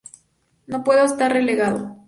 No puedo estar relegado.